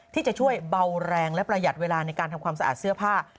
ที่จะช่วยเบาแรงและประหยัดเวลาในการทำความสะอาดเสื้อผ้า